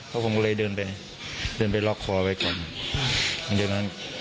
พวกผมก็เลยเดินไปเดินไปล็อกคอไว้ก่อนอ่าเดี๋ยวนั้น